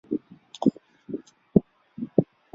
漾濞复叶耳蕨为鳞毛蕨科复叶耳蕨属下的一个种。